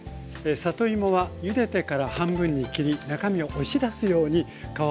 里芋はゆでてから半分に切り中身を押し出すように皮をむきました。